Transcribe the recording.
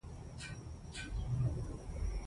پخوا به ښځو له ګودر څخه اوبه په ګوډي کې راوړلې